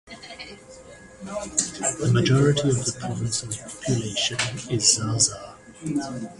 The majority of the province's population is Zaza.